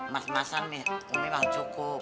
mas masan umi mah cukup